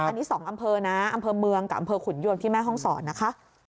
อันนี้๒อำเภอนะอำเภอเมืองกับอำเภอขุนยวนที่แม่ห้องศรนะคะ